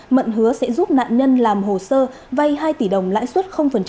mận hứa sẽ giúp nạn nhân làm hồ sơ vay hai tỷ đồng lãi suất